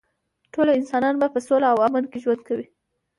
ټول انسانان به په سوله او امن کې ژوند کوي